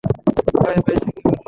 Bye-bye - সে কি বললো?